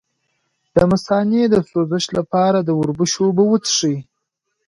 د مثانې د سوزش لپاره د وربشو اوبه وڅښئ